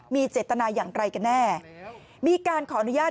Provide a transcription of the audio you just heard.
มีเจตนาอย่างไรกันแน่มีการขออนุญาต